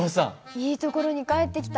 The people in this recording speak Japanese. いいところに帰ってきた。